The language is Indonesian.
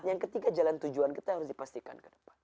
yang ketiga jalan tujuan kita harus dipastikan